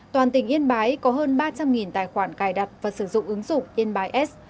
toàn tỉnh ynpb có hơn ba trăm linh tài khoản cài đặt và sử dụng ứng dụng ynpb s